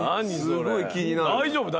すごい気になる。